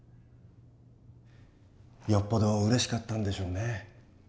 よっぽどうれしかったんでしょうね。